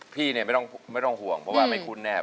พี่เนี่ยไม่ต้องห่วงเพราะว่าไม่คุ้นแนบ